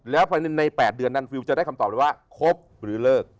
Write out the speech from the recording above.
แล้วภายใน๘เดือนนั้นฟิลจะได้คำตอบเลยว่าครบหรือเลิก